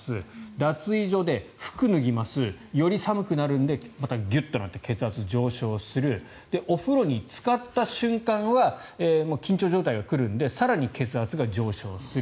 脱衣所で服を脱ぎますより寒くなるのでまたギュッとなって血圧が上昇するお風呂に使った瞬間は緊張状態が来るので更に血圧が上昇する。